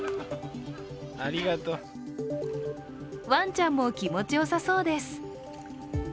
ワンちゃんも気持ちよさそうです。